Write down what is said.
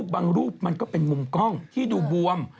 บางรูปมันก็เป็นมุมกล้องที่ดูบวม